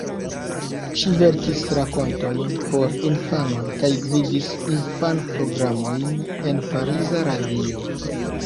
Ŝi verkis rakontojn por infanoj kaj gvidis infan-programojn en pariza radio.